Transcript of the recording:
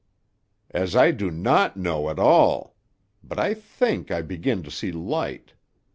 "As I do not know, at all. But I think I begin to see light.